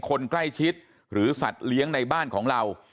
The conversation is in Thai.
คนใกล้ชิดหรือสัตว์เลี้ยงในบ้านของเรา